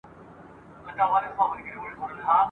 مچوي مو جاهلان پښې او لاسونه ..